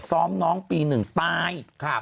ซ้อมน้องปีหนึ่งตาย